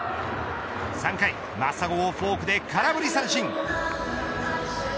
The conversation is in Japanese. ３回、真砂をフォークで空振り三振。